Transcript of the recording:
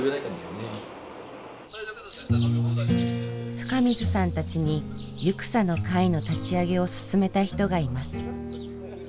深水さんたちに「ゆくさの会」の立ち上げを勧めた人がいます。